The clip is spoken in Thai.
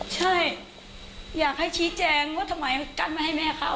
ใช่อยากให้ชี้แจงว่าทำไมกั้นไม่ให้แม่เข้า